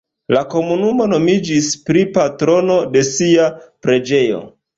La komunumo nomiĝis pri patrono de sia preĝejo.